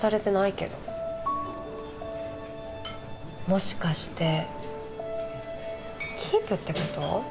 もしかしてキープって事？